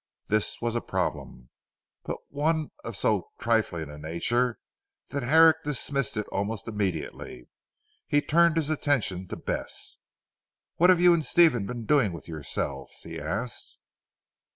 This was a problem, but one of so trifling a nature that Herrick dismissed it almost immediately. He turned his attention to Bess. "What have you and Stephen been doing with yourselves?" he asked.